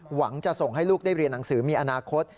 หวังจะส่งให้ลูกได้เรียนหนังสือมีอนาคต